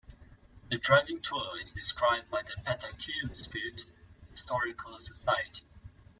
A driving tour is described by the Pettaquamscutt Historical Society.